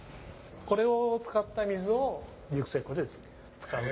これを使った水を熟成庫で使う。